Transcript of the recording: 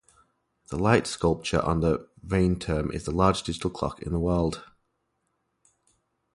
The light sculpture on the Rheinturm is the largest digital clock in the world.